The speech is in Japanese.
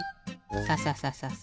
サササササ。